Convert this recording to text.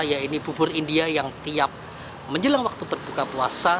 yaitu bubur india yang tiap menjelang waktu berbuka puasa